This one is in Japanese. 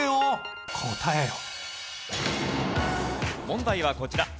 問題はこちら。